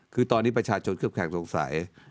คือตอนนี้ประชาชนเคลือบแคลงสงสัย